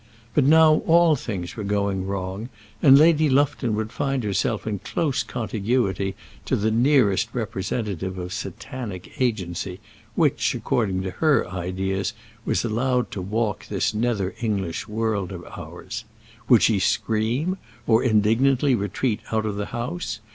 But now all things were going wrong, and Lady Lufton would find herself in close contiguity to the nearest representative of Satanic agency, which, according to her ideas, was allowed to walk this nether English world of ours. Would she scream? or indignantly retreat out of the house?